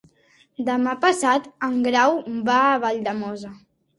Demà passat en Grau va a Valldemossa.